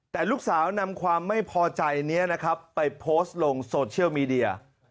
แต่ลูกสาวนำความไม่พอใจนี้นะครับไปโพสต์ลงโซเชียลมีเดีย